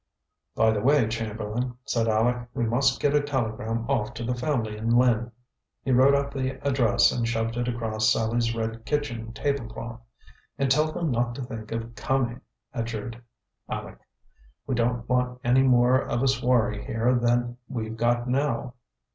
"By the way, Chamberlain," said Aleck, "we must get a telegram off to the family in Lynn." He wrote out the address and shoved it across Sallie's red kitchen tablecloth. "And tell them not to think of coming!" adjured Aleck. "We don't want any more of a swarry here than we've got now."